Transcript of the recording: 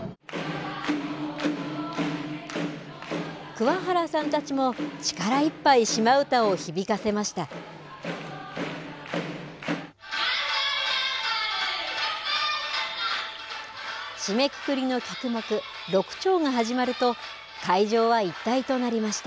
桑原さんたちも力一杯、シマ唄を響かせました。